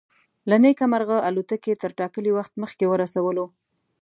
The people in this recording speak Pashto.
له نیکه مرغه الوتکې تر ټاکلي وخت مخکې ورسولو.